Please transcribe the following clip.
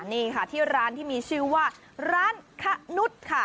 นี่ค่ะที่ร้านที่มีชื่อว่าร้านขนุษย์ค่ะ